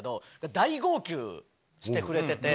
大号泣してくれてて。